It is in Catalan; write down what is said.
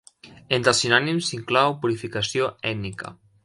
Entre els sinònims s'inclou "purificació ètnica".